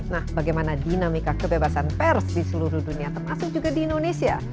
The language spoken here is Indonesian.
nah bagaimana dinamika kebebasan pers di seluruh dunia termasuk juga di indonesia